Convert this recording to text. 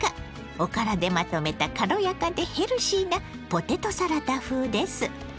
おからでまとめた軽やかでヘルシーなポテトサラダ風です。